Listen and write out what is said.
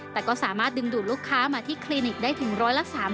แต่ก็สามารถดึงดูดลูกค้ามาที่คลินิกได้ถึง๑๓๐